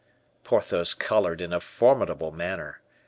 Porthos colored in a formidable manner.